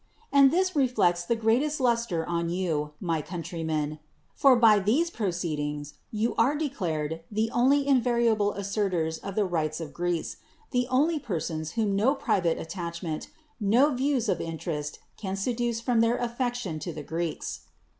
And this reflects the greatest luster on you, my countrymen ; for by these proceed ings you are declared the only invariable assert ors of the rights of Clreece — the only persons whom no private attachment, no views of in terest, can seduce from their affection to the Greeks.